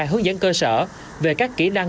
hướng dẫn cơ sở về các kỹ năng